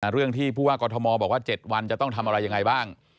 เรื่องที่ผู้ว่ากอทมบอกว่า๗วันจะต้องทำอะไรยังไงบ้าง